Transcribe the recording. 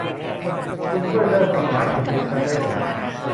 คุณช่วยเลิกกับไม้เทนนิสนั้นได้ไหม !